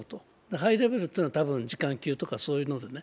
ハイレベルというのは次官級とかそういうものでね。